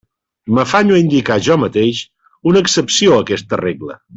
M'afanyo a indicar jo mateix una excepció a aquesta regla.